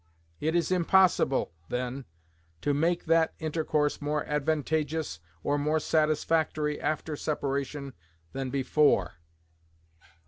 It is impossible, then, to make that intercourse more advantageous or more satisfactory after separation than before.